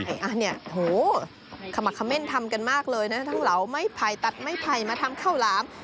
อันนี้โหขมักเม่นทำกันมากเลยนะทั้งเหลาไม้ไผ่ตัดไม้ไผ่มาทำข้าวหลาม